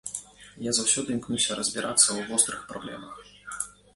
Я заўсёды імкнуся разбірацца ў вострых праблемах.